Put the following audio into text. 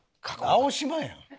青島やん。